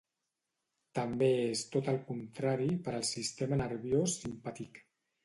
També és tot el contrari per al sistema nerviós simpàtic.